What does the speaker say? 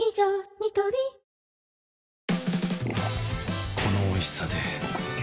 ニトリこのおいしさで